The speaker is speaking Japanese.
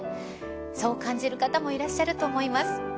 そう感じる方もいらっしゃると思います。